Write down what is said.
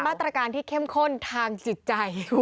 มาตรการที่เข้มข้นทางจิตใจ